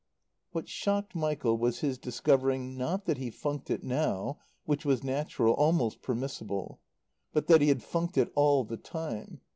What shocked Michael was his discovering, not that he funked it now, which was natural, almost permissible, but that he had funked it all the time.